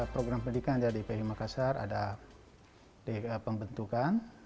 program pendidikan di pip makassar ada pembentukan